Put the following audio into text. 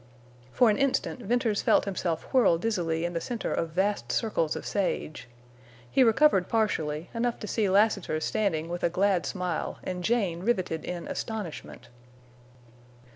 For an instant Venters felt himself whirl dizzily in the center of vast circles of sage. He recovered partially, enough to see Lassiter standing with a glad smile and Jane riveted in astonishment.